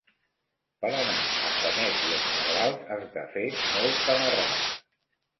Per anar a Sanet i els Negrals has de fer molta marrada.